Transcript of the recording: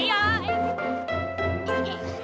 iya kak timun mas